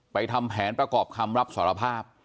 ทำแผนประกอบคำรับสารภาพ